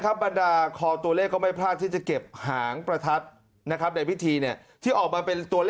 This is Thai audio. บรรดาคอตัวเลขก็ไม่พลาดที่จะเก็บหางประทัดนะครับในพิธีเนี่ยที่ออกมาเป็นตัวเลข